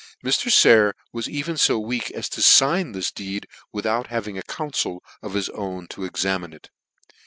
Mr. Sayer was even fo weak as to fign this deed without having a council of his own to examine it.